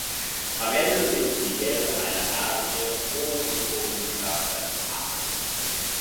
Am Ende singt Miguel eine Arie vor dem Urnengrab seines Vaters.